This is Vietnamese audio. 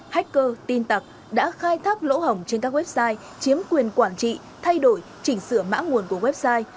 hacker tin tặc đã khai thác lỗ hỏng trên các website chiếm quyền quản trị thay đổi chỉnh sửa mã nguồn của website